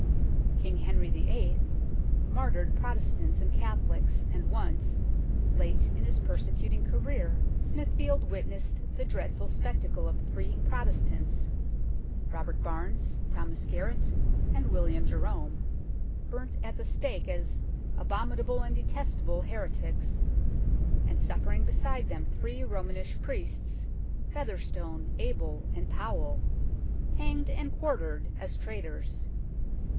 King Henry VIII. martyred Protestants and Catholics, and once, late in his persecut ing career, Smithfield witnessed the dreadful spectacle of three Protestants Robert Barnes, Thomas Garret, and William Jerome burnt at the stake as " abominable and detestable heretics," and suffering beside them three Romish priests, Fetherstone, Abel and Powel, hanged and quartered as traitors.